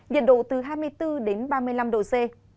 nhiệt độ từ hai mươi bốn ba mươi năm độ c